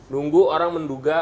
nunggu orang menduga